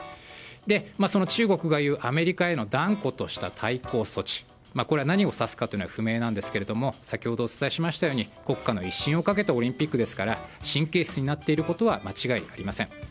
その中国がいうアメリカへの断固とした対抗措置これは何を指すかというのは不明なんですが先ほどお伝えしましたように国家の威信をかけたオリンピックですから神経質になっていることは間違いありません。